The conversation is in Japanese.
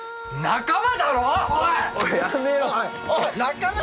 仲間だろ！